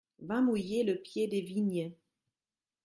Va mouiller le pied des vignes.